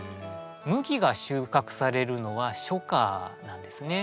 麦が収穫されるのは初夏なんですね。